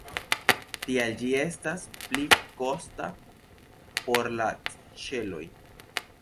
Tial ĝi estas pli toksa por la ĉeloj.